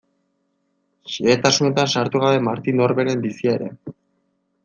Xehetasunetan sartu gabe Martin Orberen bizia ere.